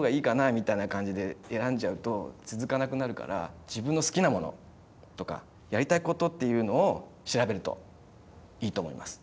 みたいな感じで選んじゃうと続かなくなるから自分の好きなものとかやりたいことっていうのを調べるといいと思います。